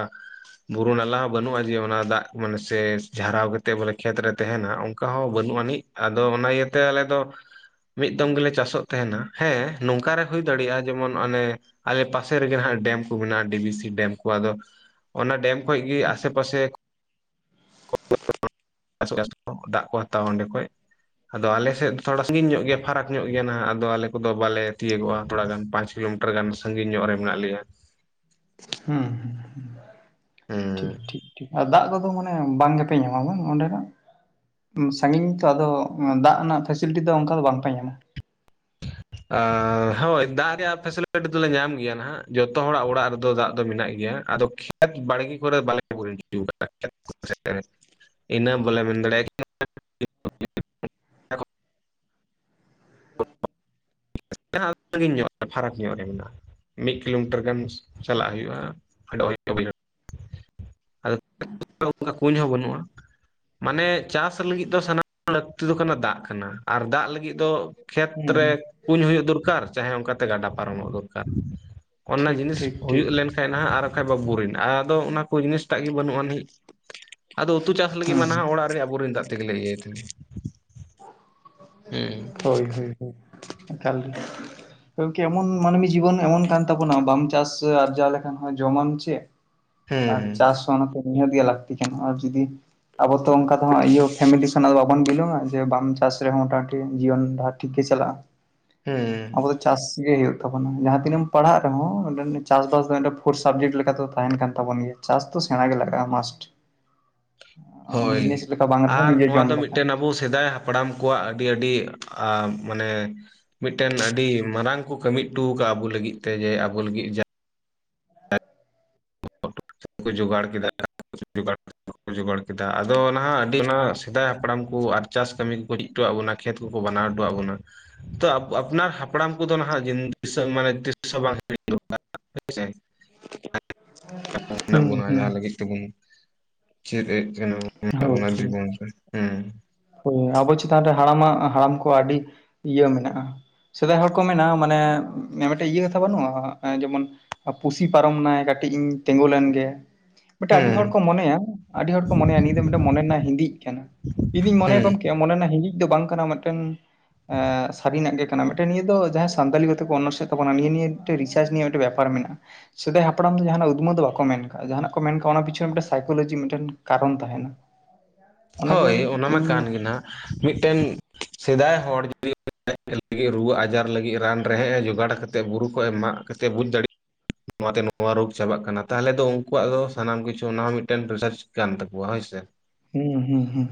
ᱵᱩᱨᱩ ᱱᱟᱞᱟ ᱦᱚᱸ ᱵᱟᱹᱱᱩᱜ-ᱟ। ᱡᱮ ᱚᱱᱟ ᱫᱟᱜ ᱢᱟᱱᱮ ᱥᱮ ᱡᱷᱟᱨᱟᱣ ᱠᱟᱛᱮᱫ ᱵᱚᱞᱮ ᱠᱷᱮᱛ ᱨᱮ ᱛᱟᱦᱮᱱᱟ ᱚᱱᱠᱟ ᱦᱚᱸ ᱵᱟᱹᱱᱩᱜ ᱟᱹᱱᱤᱡ। ᱟᱫᱚ, ᱚᱱᱟ ᱤᱭᱟᱹᱛᱮ ᱟᱞᱮ ᱫᱚ ᱢᱤᱫ ᱫᱚᱢ ᱜᱮᱞᱮ ᱪᱟᱥᱚᱜ ᱛᱟᱦᱮᱱᱟ। ᱦᱮᱸ ᱱᱚᱝᱠᱟ ᱨᱮ ᱦᱩᱭ ᱫᱟᱲᱮᱜ-ᱟ᱾ ᱡᱮᱢᱚᱱ ᱚᱱᱮ ᱟᱞᱮ ᱯᱟᱥᱮ ᱨᱮᱜᱮ ᱦᱟᱸᱜ ᱰᱮᱢ ᱠᱚ ᱦᱮᱱᱟᱜᱼᱟ। ᱰᱤ ᱵᱷᱤ ᱥᱤ ᱰᱮᱢ ᱠᱚ ᱟᱫᱚ ᱚᱱᱟ ᱰᱮᱢ ᱠᱷᱚᱡ ᱜᱮ, ᱟᱥᱮ ᱯᱟᱥᱮ ᱪᱟᱥ [unintelligible] ᱫᱟᱜ ᱠᱚ ᱦᱟᱛᱟᱣᱟ ᱚᱸᱰᱮ ᱠᱷᱚᱡ। ᱟᱫᱚ ᱟᱞᱮ ᱥᱮᱫ ᱫᱚ ᱛᱷᱚᱲᱟ ᱥᱟᱸᱜᱤᱧ ᱧᱚᱜ ᱜᱮᱭᱟ। ᱯᱷᱟᱨᱟᱠ ᱧᱚᱜ ᱜᱮᱭᱟ ᱱᱟᱦᱟᱜ। ᱟᱫᱚ ᱟᱞᱮ ᱠᱚᱫᱚ ᱵᱟᱞᱮ ᱛᱤᱭᱟᱹᱜᱚᱜ-ᱟ ᱛᱷᱚᱲᱟ ᱜᱟᱱ, ᱯᱟᱸᱪ ᱠᱤᱞᱳᱢᱤᱴᱟᱨ ᱜᱟᱱ ᱥᱟᱸᱜᱤᱧ ᱧᱚᱜ ᱨᱮ ᱢᱮᱱᱟᱜ ᱞᱮᱭᱟ। ᱦᱩᱸ, ᱦᱩᱸ᱾ ᱦᱮᱸ। ᱴᱷᱤᱠ ᱴᱷᱤᱠ ᱴᱷᱤᱠ। ᱟᱨ ᱫᱟᱜ ᱠᱚᱫᱚ ᱢᱟᱱᱮ ᱵᱟᱝ ᱜᱮᱯᱮ ᱧᱟᱢᱟ ᱵᱟᱝ ᱚᱸᱰᱮᱱᱟᱜ? ᱥᱟᱸᱜᱤᱧ ᱛᱚ, ᱟᱫᱚ ᱫᱟᱜ ᱨᱮᱱᱟᱜ ᱯᱷᱮᱥᱤᱞᱤᱴᱤ ᱫᱚ ᱚᱱᱠᱟ ᱫᱚ ᱵᱟᱝ ᱯᱮ ᱧᱟᱢᱟ। ᱟᱸᱻ ᱦᱳᱭ ᱫᱟᱜ ᱨᱮᱭᱟᱜ ᱯᱷᱮᱥᱤᱞᱤᱴᱤ ᱫᱚᱞᱮ ᱧᱟᱢ ᱜᱮᱭᱟ ᱱᱟᱦᱟᱜ। ᱡᱷᱚᱛᱚ ᱦᱚᱲᱟᱜ ᱚᱲᱟᱜ ᱨᱮᱫᱚ ᱫᱟᱜ ᱫᱚ ᱢᱮᱱᱟᱜ ᱜᱮᱭᱟ। ᱟᱫᱚ ᱠᱷᱮᱛ ᱵᱟᱲᱜᱮ ᱠᱚᱨᱮ ᱵᱟᱞᱮ [unintelligible] ᱤᱱᱟᱹ ᱵᱚᱞᱮ ᱢᱮᱱ ᱫᱟᱲᱮᱭᱟᱜ-ᱟ ᱠᱟᱱᱟ᱾ [unintelligible] ᱢᱮᱱᱟᱜ-ᱟ ᱥᱟᱸᱜᱤᱧ ᱧᱚᱜ, ᱯᱷᱟᱨᱟᱠ ᱧᱚᱜ ᱨᱮ ᱢᱮᱱᱟᱜ-ᱟ। ᱢᱤᱫ ᱠᱤᱞᱳᱢᱤᱴᱟᱨ ᱜᱟᱱ ᱪᱟᱞᱟᱜ ᱦᱳᱭᱳᱜᱼᱟ। ᱯᱷᱮᱸᱰᱳ ᱦᱳᱭᱳᱜ-ᱟ ᱵᱟᱹᱭᱦᱟᱹᱲ᱾ ᱟᱫᱚ, [unintelligible] ᱠᱩᱧ ᱦᱚᱸ ᱵᱟᱹᱱᱩᱜ-ᱟ। ᱢᱟᱱᱮ ᱪᱟᱥ ᱞᱟᱹᱜᱤᱫ ᱫᱚ ᱥᱟᱱᱟᱢ ᱟᱜ ᱞᱟᱹᱠᱛᱤ ᱫᱚ ᱠᱟᱱᱟ ᱫᱟᱜ ᱠᱟᱱᱟ। ᱟᱨ ᱫᱟᱜ ᱞᱟᱹᱜᱤᱫ ᱫᱚ ᱠᱷᱮᱛ ᱦᱩᱸ ᱨᱮ ᱦᱩᱸ ᱠᱩᱸᱧ ᱦᱳᱭᱳᱜ ᱫᱚᱨᱠᱟᱨ। ᱪᱟᱦᱮᱸ ᱚᱱᱠᱟ ᱛᱮ ᱜᱟᱰᱟ ᱯᱟᱨᱚᱢᱚᱜ ᱫᱚᱨᱠᱟᱨ। ᱚᱱᱟ ᱴᱷᱤᱠ ᱡᱤᱱᱤᱥ ᱴᱷᱤᱠ ᱴᱷᱤᱠ ᱦᱩᱭᱩᱜ ᱞᱮᱱᱠᱷᱟᱡ ᱱᱟᱦᱟᱜ, ᱟᱨ ᱵᱟᱠᱷᱟᱡ ᱵᱟ ᱵᱩᱨᱤᱱ। ᱟᱫᱚ ᱚᱱᱟ ᱠᱚ ᱡᱤᱱᱤᱥ ᱴᱟᱜ ᱜᱮ ᱵᱟᱹᱱᱩᱜ ᱟᱱᱤᱡ। ᱟᱫᱚ ᱩᱛᱩ ᱪᱟᱥ ᱞᱟᱹᱜᱤᱫ ᱦᱩᱸ ᱢᱟ ᱱᱟᱦᱟᱜ ᱚᱲᱟᱜ ᱨᱮᱭᱟᱜ ᱵᱚᱨᱤᱱ ᱫᱟᱜ ᱛᱮᱜᱮᱞᱮ ᱤᱭᱟᱹᱭ ᱛᱟᱦᱮᱸᱱ। ᱦᱮᱸ। ᱦᱳᱭ, ᱦᱳᱭ, ᱦᱳᱭ ᱮᱠᱟᱞ᱾ ᱠᱤ ᱮᱢᱚᱱ ᱢᱟᱱᱢᱤ ᱡᱤᱵᱚᱱ ᱮᱢᱚᱱ ᱠᱟᱱ ᱛᱟᱵᱚᱱᱟ ᱵᱟᱢ ᱪᱟᱥ ᱟᱨᱡᱟᱣ ᱞᱮᱠᱷᱟᱱ ᱦᱚᱸ ᱡᱚᱢᱟᱢ ᱪᱮᱫ? ᱟᱨ ᱦᱩᱸ ᱪᱟᱥ ᱦᱚᱸ ᱚᱱᱟᱛᱮ ᱱᱤᱦᱟᱹᱛ ᱜᱮ ᱞᱟᱹᱠᱛᱤ ᱠᱟᱱᱟ ᱟᱨ ᱡᱩᱫᱤ ᱟᱵᱚ ᱛᱚ ᱚᱱᱠᱟ ᱛᱚ ᱦᱟᱹᱜ ᱤᱭᱟᱹ ᱯᱷᱮᱢᱮᱞᱤ ᱠᱷᱚᱱᱟ ᱫᱚ ᱵᱟᱵᱚᱱ ᱵᱤᱞᱚᱝᱟ ᱡᱮ ᱵᱟᱢ ᱪᱟᱥ ᱨᱮ ᱦᱚᱸ ᱢᱚᱴᱟ ᱢᱩᱴᱤ ᱡᱤᱭᱚᱱ ᱰᱟᱦᱟᱨ ᱴᱷᱤᱠ ᱜᱮ ᱪᱟᱞᱟᱜ-ᱟ᱾ ᱦᱩᱸ᱾ ᱪᱟᱥ ᱜᱮ ᱦᱩᱭᱩᱜ ᱛᱟᱵᱚᱱᱟ ᱡᱟᱦᱟ ᱛᱤᱱᱟᱹ ᱮᱢ ᱯᱟᱲᱦᱟᱜ ᱨᱮᱦᱚᱸ ᱪᱟᱥ ᱵᱟᱥ ᱫᱚ ᱯᱷᱳᱨ ᱥᱟᱵᱡᱮᱠᱴ ᱞᱮᱠᱟ ᱫᱚ ᱛᱟᱦᱮᱱ ᱠᱟᱱ ᱛᱟᱵᱚᱱ ᱜᱮᱭᱟ᱾ ᱪᱟᱥ ᱫᱚ ᱥᱮᱲᱟ ᱜᱮ ᱞᱟᱜᱟᱜᱟ ᱢᱟᱥᱴ᱾ ᱵᱤᱡᱽᱱᱮᱥ ᱦᱳᱭ ᱞᱮᱠᱟ ᱵᱟᱝ ᱨᱮᱦᱚᱸ ᱟᱨ ᱱᱤᱡᱮ ᱱᱚᱣᱟ ᱡᱚᱢ ᱫᱚ ᱞᱮᱠᱟ ᱢᱤᱫᱴᱮᱱ ᱟᱵᱚ ᱥᱮᱫᱟᱭ ᱦᱟ ᱯᱲᱟᱢ ᱠᱚᱣᱟᱜ ᱟᱹᱰᱤ, ᱟᱹᱰᱤ ᱟᱸᱻ ᱢᱟᱱᱮ ᱢᱤᱫᱴᱮᱱ ᱟᱹᱰᱤ ᱢᱟᱨᱟᱝ ᱠᱚ ᱠᱟᱹᱢᱤ ᱦᱚᱴᱚ ᱠᱟᱜ-ᱟ ᱟᱵᱚ ᱞᱟᱹᱜᱤᱫ ᱛᱮ ᱡᱮ ᱟᱵᱚ ᱞᱟᱹᱜᱤᱫ [inaudible] ᱡᱚᱜᱟᱲ ᱠᱮᱫᱟ [unintelligible] ᱡᱚᱜᱟᱲ ᱡᱚᱜᱟᱲ ᱠᱮᱫᱟ ᱟᱫᱚ ᱱᱟᱦᱟᱜ ᱟᱹᱰᱤ ᱚᱱᱟ ᱥᱮᱫᱟᱭ ᱦᱟᱯᱲᱟᱢ ᱠᱚ ᱟᱨ ᱪᱟᱥ ᱠᱟᱹᱢᱤ [unintelligible] ᱵᱚᱱᱟ ᱠᱷᱮᱛ ᱠᱚᱠᱚ ᱵᱱᱟᱣ ᱦᱚᱴᱚᱣᱟᱜ ᱵᱚᱱᱟ᱾ ᱛᱚ ᱟᱯ ᱟᱯᱱᱟᱨ ᱦᱟᱯᱲᱟᱢ ᱠᱚᱫᱚ ᱱᱟᱦᱟᱜ [inaudible] [inaudible] [inaudible] ᱦᱩᱸ [inaudible] ᱦᱩᱸ ᱡᱟᱦᱟᱸ ᱞᱟᱹᱜᱤᱫ ᱛᱮᱵᱚᱱ ᱪᱮᱫ ᱮᱫ [inaudible] ᱦᱳᱭ ᱦᱳᱭ ᱦᱩᱸ᱾ ᱦᱳᱭ ᱟᱵᱚ ᱪᱮᱛᱟᱱ ᱨᱮ ᱦᱟᱲᱟᱢᱟᱜ ᱦᱟᱲᱟᱢ ᱠᱚ ᱟᱹᱰᱤ ᱤᱭᱟᱹ ᱢᱮᱱᱟᱜᱼᱟ᱾ ᱥᱮᱫᱟᱭ ᱦᱚᱲ ᱠᱚ ᱢᱮᱱᱟ ᱢᱟᱱᱮ ᱢᱤᱫᱴᱮᱡ ᱤᱭᱟᱹ ᱠᱟᱛᱷᱟ ᱵᱟᱹᱱᱩᱜᱼᱟ ᱡᱮᱢᱚᱱ ᱯᱩᱥᱤ ᱯᱟᱨᱚᱢᱱᱟᱭ ᱠᱟᱹᱴᱤᱡ ᱤᱧ ᱛᱮᱸᱜᱳ ᱞᱮᱱᱜᱮ᱾ ᱢᱤᱫᱴᱮᱱ ᱟᱹᱰᱤ ᱦᱮᱸ ᱦᱚᱲ ᱠᱚ ᱢᱚᱱᱮᱭᱟ ᱟᱹᱰᱤ ᱦᱚᱲ ᱠᱚ ᱢᱚᱱᱮᱭᱟ ᱱᱤᱭᱟᱹ ᱫᱚ ᱢᱤᱫᱴᱮᱱ ᱢᱚᱱᱮ ᱨᱮᱱᱟᱜ ᱦᱤᱫᱤᱜ ᱠᱟᱱᱟ᱾ ᱤᱧᱫᱩᱧ ᱢᱚᱱᱮᱭᱟ ᱦᱮᱸ ᱜᱳᱢᱠᱮ ᱢᱚᱱᱮᱨᱮᱱᱟᱜ ᱦᱤᱸᱫᱤᱡ ᱫᱚ ᱵᱟᱝ ᱠᱟᱱᱟ ᱢᱤᱫᱴᱮᱱ ᱮᱸᱜ ᱥᱟᱹᱨᱤᱱᱟᱜ ᱜᱮ ᱠᱟᱱᱟ ᱢᱤᱫᱴᱮᱱ ᱱᱤᱭᱟᱹ ᱫᱚ ᱡᱟᱦᱟᱸᱭ ᱥᱟᱱᱛᱟᱞᱤ ᱠᱚᱛᱮ ᱠᱚ ᱚᱱᱟᱨᱥᱮᱫ ᱛᱟᱵᱚᱱᱟ ᱱᱤᱭᱟᱹ ᱱᱤᱭᱟᱹ ᱨᱤᱥᱟᱨᱪ ᱱᱤᱭᱟᱹ ᱢᱤᱫᱴᱮᱡ ᱵᱮᱯᱟᱨ ᱢᱮᱱᱟᱜᱼᱟ᱾ ᱥᱮᱫᱟᱭ ᱦᱟᱯᱲᱟᱢ ᱫᱚ ᱡᱟᱦᱟᱱᱟᱜ ᱩᱫᱽᱫᱢᱟᱹᱣ ᱫᱚ ᱵᱟᱠᱚ ᱢᱮᱱ ᱠᱟᱜᱼᱟ ᱡᱟᱦᱟᱱᱟᱜ ᱠᱚ ᱢᱮᱱ ᱠᱟᱜᱼᱟ ᱚᱱᱟ ᱯᱤᱪᱷᱚᱱ ᱨᱮ ᱢᱤᱫᱴᱮᱱ ᱥᱟᱭᱠᱳᱞᱚᱡᱤ ᱢᱤᱫᱴᱮᱱ ᱠᱟᱨᱚᱱ ᱛᱟᱦᱮᱸᱱᱟ᱾ [inaudible] ᱦᱳᱭ ᱚᱱᱟᱢᱟ ᱠᱟᱱ ᱜᱮ ᱱᱟᱦᱟᱜ ᱢᱤᱫᱴᱮᱱ ᱥᱮᱫᱟᱭ [inaudible] ᱨᱩᱣᱟᱹ ᱟᱡᱟᱨ ᱞᱟᱹᱜᱤᱫ ᱨᱟᱱ ᱨᱮᱦᱮᱫ ᱮ ᱡᱚᱜᱟᱲ ᱠᱟᱛᱮᱫ ᱵᱩᱨᱩ ᱠᱷᱚᱱ ᱮ ᱢᱟᱜ ᱠᱟᱛᱮᱜ ᱵᱩᱡᱽ ᱫᱟᱲᱮᱜ ᱱᱚᱣᱟᱛᱮ ᱱᱚᱣᱟ ᱨᱳᱜᱽ ᱪᱟᱵᱟᱜ ᱠᱟᱱᱟ ᱛᱟᱦᱚᱞᱮ ᱫᱚ ᱩᱱᱠᱩᱣᱟᱜ ᱫᱚ ᱥᱟᱱᱟᱢ ᱠᱤᱪᱷᱩ ᱚᱱᱟᱦᱚᱸ ᱢᱤᱫᱴᱮᱱ ᱨᱤᱥᱟᱨᱪ ᱠᱟᱱ ᱛᱟᱠᱚᱣᱟ ᱦᱳᱭ ᱥᱮ᱾ ᱦᱩᱸ ᱦᱩᱸ ᱦᱩᱸ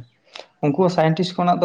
ᱩᱱᱠᱩ ᱥᱟᱭᱮᱱᱴᱤᱥ ᱠᱷᱚᱱᱟᱜ ᱫᱚ